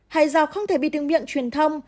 hay do không thể bị tiếng miệng truyền thông